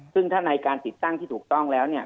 ซึ่งถ้าในการติดตั้งที่ถูกต้องแล้วเนี่ย